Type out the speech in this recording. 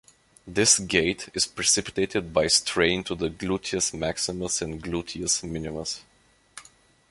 This gait is precipitated by strain to the gluteus maximus and gluteus minimus.